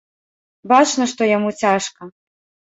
Бачна, што яму цяжка.